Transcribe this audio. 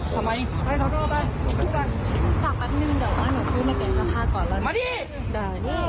ทำไมแล้วทำลอร่องไป